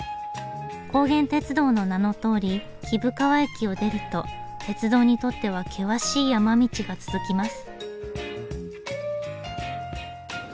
高原鐵道の名のとおり貴生川駅を出ると鉄道にとっては険しい山道が続きます。